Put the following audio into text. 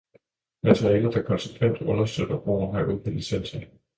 Materialer der konsekvent understøtter brugen af åbne licenser.